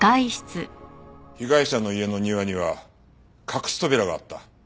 被害者の家の庭には隠し扉があった。